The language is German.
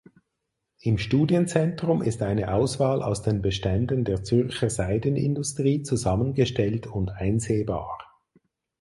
Im Studienzentrum ist eine Auswahl aus den Beständen der Zürcher Seidenindustrie zusammengestellt und einsehbar.